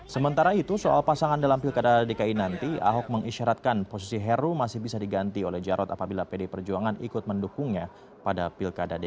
sementara itu soal pasangan dalam pilkada dki nanti ahok mengisyaratkan posisi heru masih bisa diganti oleh jarod apabila pd perjuangan ikut mendukungnya pada pilkada dki